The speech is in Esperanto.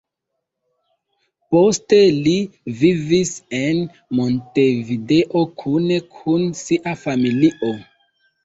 Poste li vivis en Montevideo kune kun sia familio.